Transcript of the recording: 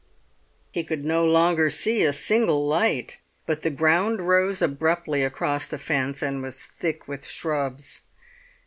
He could no longer see a single light; but the ground rose abruptly across the fence, and was thick with shrubs.